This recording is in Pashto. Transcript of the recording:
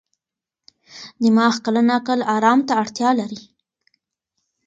دماغ کله ناکله ارام ته اړتیا لري.